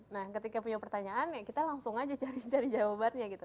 nah ketika punya pertanyaan ya kita langsung aja cari cari jawabannya gitu